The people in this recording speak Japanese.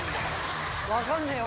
分かんねえ。